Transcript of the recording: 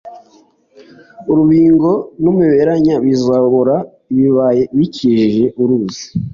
urubingo n umuberanya bizabora ibibaya bikikije uruzi